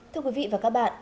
thưa quý vị và các bạn